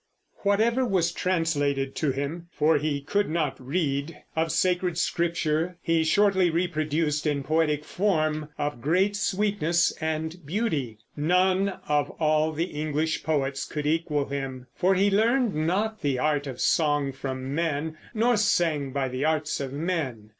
Whatever was translated to him (for he could not read) of Sacred Scripture he shortly reproduced in poetic form of great sweetness and beauty. None of all the English poets could equal him, for he learned not the art of song from men, nor sang by the arts of men.